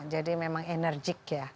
jadi memang enerjik ya